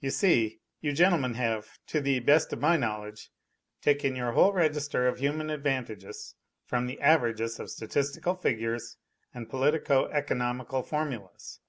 You see, you gentlemen have, to the best of my knowledge, taken your whole register of human advantages from the averages of statistical figures and politico economical formulas.